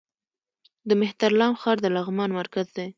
د مهترلام ښار د لغمان مرکز دی